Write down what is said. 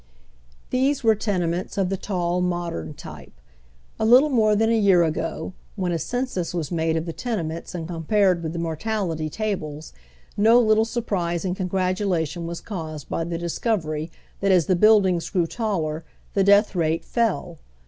These were tenementa of the tall, modern type. A lit tle more than a year ago, when a census was made of the tenements and compared with the mortality tables, no little surprise and congratulation was caused by the dis coveiy that as the buildings grew taller the death rate fell.